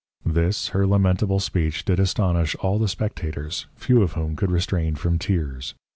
_ This her lamentable Speech did astonish all the Spectators, few of whom could restrain from Tears.